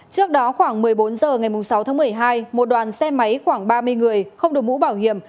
trước đó khoảng một mươi bốn h ngày sáu tháng một mươi hai một đoàn xe máy khoảng ba mươi người không đổi mũ bảo hiểm